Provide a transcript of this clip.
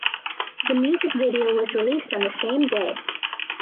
The music video was released on the same day.